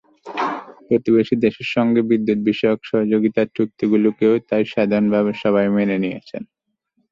প্রতিবেশী দেশের সঙ্গে বিদ্যুৎবিষয়ক সহযোগিতার চুক্তিগুলোকেও তাই সাধারণভাবে সবাই মেনে নিয়েছেন।